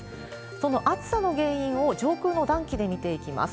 その暑さの原因を、上空の暖気で見ていきます。